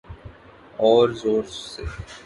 أور زور سے۔